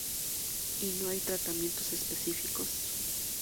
Y no hay tratamientos específicos.